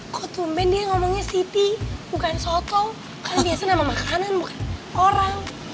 kok tumben dia ngomongnya siti bukan soto kan biasanya makan orang